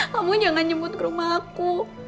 kamu jangan nyemut ke rumah aku